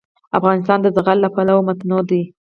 افغانستان د زغال له پلوه متنوع دی.